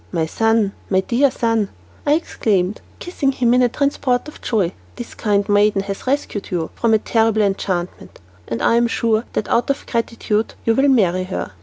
"My son, my dear son," I exclaimed, kissing him in a transport of joy. "This kind maiden has rescued you from a terrible enchantment, and I am sure that out of gratitude you will marry her."